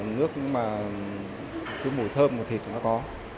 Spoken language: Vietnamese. nước mà cái mùi thơm của thịt nó có